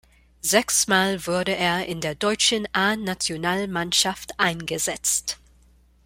Sechsmal wurde er in der deutschen A-Nationalmannschaft eingesetzt.